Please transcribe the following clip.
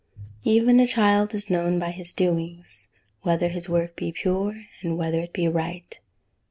[Verse: "Even a child is known by his doings, whether his work be pure, and whether it be right."